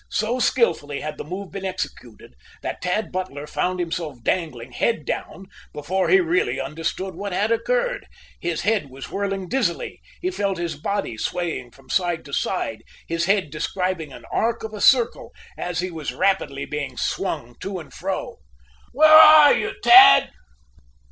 So skilfully had the move been executed that Tad Butler found himself dangling, head down, before he really understood what had occurred. His head was whirling dizzily. He felt his body swaying from side to side, his head describing an arc of a circle, as he was rapidly being swung to and fro. "Where are you, Tad?"